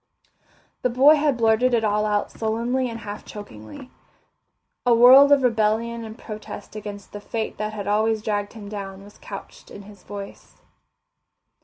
The boy had blurted it all out sullenly and half chokingly. A world of rebellion and protest against the fate that had always dragged him down was couched in his voice.